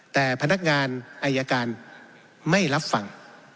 แต่พนักงานอายการไม่รับฟัง